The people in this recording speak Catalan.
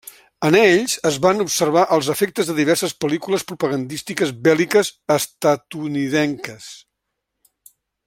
En ells, es van observar els efectes de diverses pel·lícules propagandístiques bèl·liques estatunidenques.